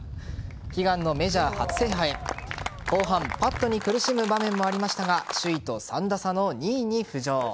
悲願のメジャー初制覇へ後半、パットに苦しむ場面もありましたが首位と３打差の２位に浮上。